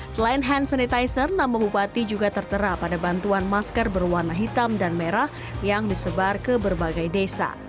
selain hand sanitizer nama bupati juga tertera pada bantuan masker berwarna hitam dan merah yang disebar ke berbagai desa